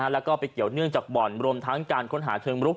แล้วก็ไปเกี่ยวเนื่องจากบ่อนรวมทั้งการค้นหาเชิงรุก